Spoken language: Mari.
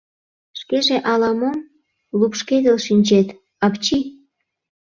Шкеже ала-мом... лупшкедыл шинчет... апчи!..